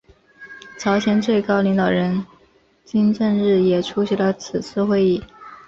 朝鲜最高领导人金正日也出席了此次会议。